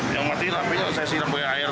yang mati apinya saya siram dengan air